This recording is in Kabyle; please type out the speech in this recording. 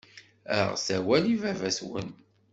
Aɣet awal i baba-twen.